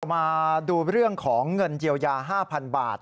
มาดูเรื่องของเงินเยียวยา๕๐๐๐บาท